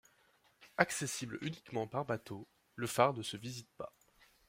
Accessible uniquement par bateau, le phare ne se visite pas.